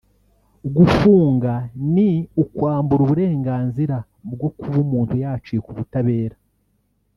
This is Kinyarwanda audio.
Gufunga ni ukwambura uburenganzira bwo kuba umuntu yacika ubutabera